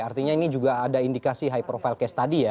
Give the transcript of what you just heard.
artinya ini juga ada indikasi high profile case tadi ya